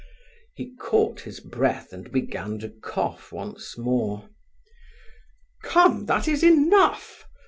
He caught his breath, and began to cough once more. "Come, that is enough!